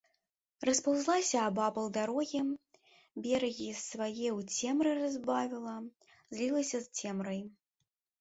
Распаўзлася абапал дарогі, берагі свае ў цемры разбавіла, злілася з цемрай.